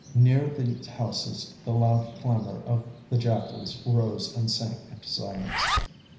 Near the houses the loud clamour of the jackals rose and sank into silence.